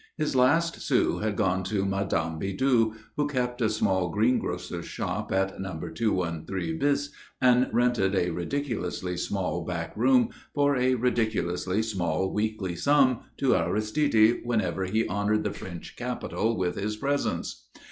His last sou had gone to Madame Bidoux, who kept a small green grocer's shop at No. 213 bis and rented a ridiculously small back room for a ridiculously small weekly sum to Aristide whenever he honoured the French capital with his presence.